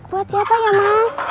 buat siapa ya mas